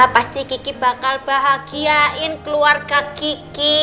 pasti kiki bakal bahagiain keluarga kiki